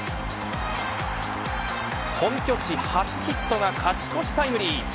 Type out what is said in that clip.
本拠地初ヒットが勝ち越しタイムリー。